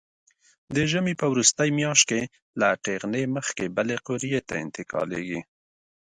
د ژمي په وروستۍ میاشت کې له ټېغنې مخکې بلې قوریې ته انتقالېږي.